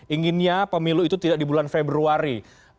inginnya pemilu itu tidak di bulan februari